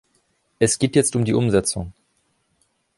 Es geht jetzt um die Umsetzung.